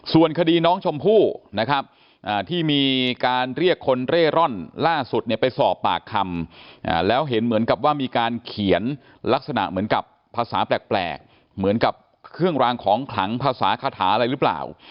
ส่วนคดีน้องชมพู่นะครับที่มีการเรียกคนเร่ร่อนล่าสุดเนี่ยไปสอบปากคำแล้วเห็นเหมือนกับว่ามีการเขียนลักษณะเหมือนกับภาษาแปลกเหมือนกับเครื่องรางของขลังภาษาคาถาอะไรหรือเปล่า